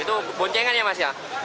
itu poncengan ya mas